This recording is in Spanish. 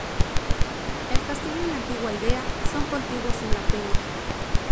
El castillo y la antigua aldea son contiguos en la peña.